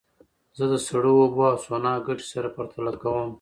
زه د سړو اوبو او سونا ګټې سره پرتله کوم.